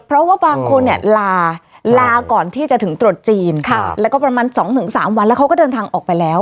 เพราะว่าบางคนลาก่อนที่จะถึงถรวจจีนประมาณ๒๓วันแล้วเขาก็เดินทางออกไปแล้ว